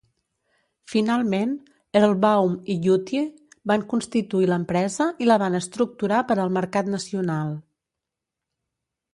Finalment, Erlbaum i Youtie van constituir l'empresa i la van estructurar per al mercat nacional.